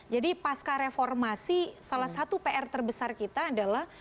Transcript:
jadi pasca reformasi salah satu pr terbesar kita adalah